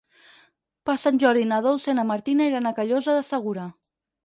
Per Sant Jordi na Dolça i na Martina iran a Callosa de Segura.